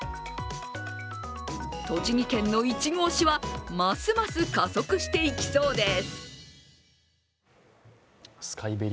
栃木県のいちご推しはますます加速していきそうです。